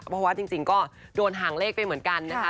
เพราะว่าจริงก็โดนห่างเลขไปเหมือนกันนะคะ